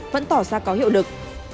vẫn tỏ ra có hiệu lực